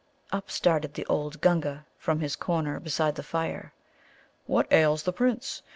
Up started the old Gunga from his corner beside the fire. "What ails the Prince?